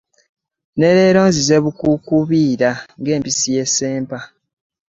Ne leero nzize bukuukubira ng'empisi y'e Ssempa.